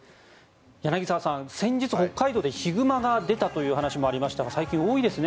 柳澤さん、先日北海道でヒグマが出たというお話がありましたが最近多いですね